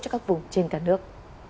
cho các vùng trên cả nước